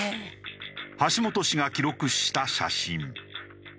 橋本氏が記録した写真。